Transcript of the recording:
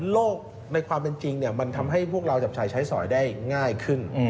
โลกในความเป็นจริงมันทำให้พวกเราจับจ่ายใช้สอยได้ง่ายขึ้น